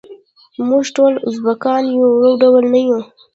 موږ ټول ازبیکان یو ډول نه یوو.